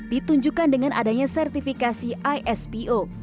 ditunjukkan dengan adanya sertifikasi ispo